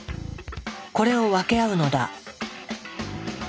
これを分け合うのだ。